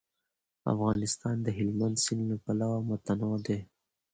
افغانستان د هلمند سیند له پلوه متنوع دی.